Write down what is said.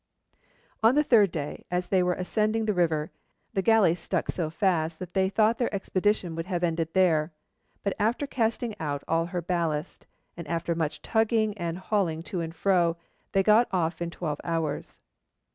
On the third day, as they were ascending the river, the galley stuck so fast that they thought their expedition would have ended there; but after casting out all her ballast, and after much tugging and hauling to and fro, they got off in twelve hours.